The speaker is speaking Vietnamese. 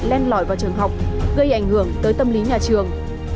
lên lõi vào trường học gây ảnh hưởng tới tâm lý nhà trường